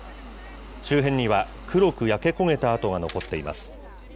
周辺には黒く焼け焦げた跡が残っています。